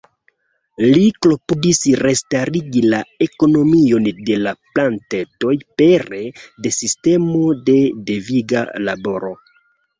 Li klopodis restarigi la ekonomion de la plantejoj pere de sistemo de deviga laboro.